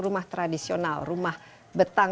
rumah tradisional rumah betang